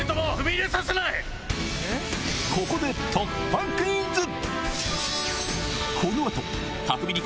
ここで突破クイズ！